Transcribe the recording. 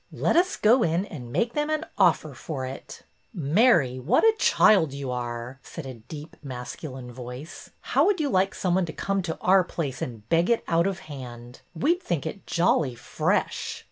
Let us go in and make them an offer for it." '' Mary, what a child you are !" said a deep masculine voice. How would you like some one to come to our place and beg it out of hand? We 'd think it jolly fresh."